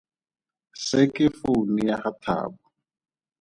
Se ke founu ya ga Thabo.